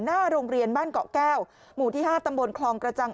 หน้าโรงเรียนบ้านเกาะแก้วหมู่ที่๕ตำบลคลองกระจัง